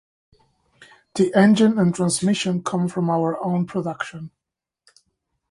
The engine and transmission come from our own production.